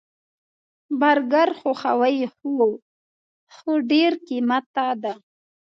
برګر خوښوئ؟ هو، خو ډیر قیمته ده